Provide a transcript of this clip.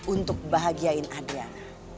untuk bahagiain adriana